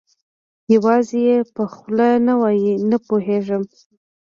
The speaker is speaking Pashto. یوازې یې په خوله نه وایي، نه پوهېږم.